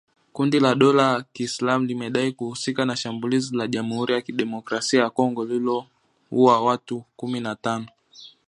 Kundi la dola ya Kiislamu limedai kuhusika na shambulizi la jamhuri ya kidemokrasia ya Kongo lililouwa watu kumi na tano